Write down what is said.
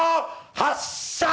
発射！